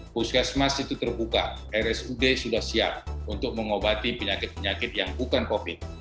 puskesmas itu terbuka rsud sudah siap untuk mengobati penyakit penyakit yang bukan covid